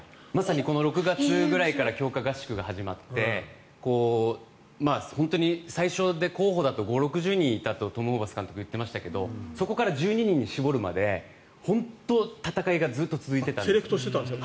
６月くらいから強化合宿が始まって本当に最初で候補だと５０６０人いたとトム・ホーバス監督は言ってましたけどそこから１２人に絞るまで戦いがセレクトしてたんですか。